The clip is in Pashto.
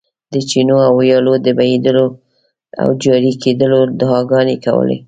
د چینو او ویالو د بهېدلو او جاري کېدلو دعاګانې کولې.